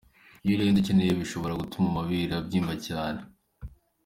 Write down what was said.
Iyo urenze ukenewe, bishobora gutuma amabere abyimba cyane.